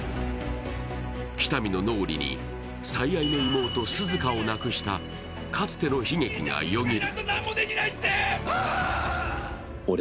喜多見の脳裏に最愛の妹・涼香を亡くしたかつての悲劇がよぎる。